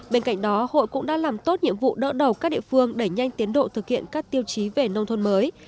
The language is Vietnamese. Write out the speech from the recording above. bên cạnh đó hội cũng đã làm tốt nhiệm vụ đỡ đầu các địa phương đẩy nhanh tiến độ thực hiện các tiêu chí về nông thôn mới